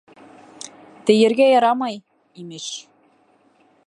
— Тейергә ярамай, имеш!